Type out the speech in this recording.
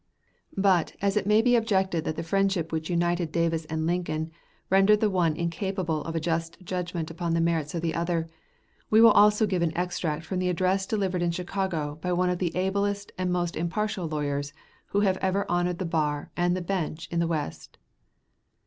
But, as it may be objected that the friendship which united Davis and Lincoln rendered the one incapable of a just judgment upon the merits of the other, we will also give an extract from the address delivered in Chicago by one of the ablest and most impartial lawyers who have ever honored the bar and the bench in the West.